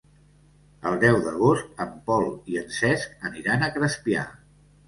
El deu d'agost en Pol i en Cesc aniran a Crespià.